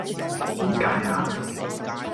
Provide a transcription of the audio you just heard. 點解呀